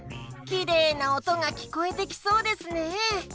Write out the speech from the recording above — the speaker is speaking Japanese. きれいなおとがきこえてきそうですね。